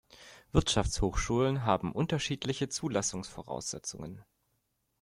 Wirtschaftshochschulen haben unterschiedliche Zulassungsvoraussetzungen.